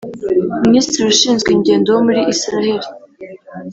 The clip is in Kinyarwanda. Minisitiri ushinzwe ingendo muri Isiraheli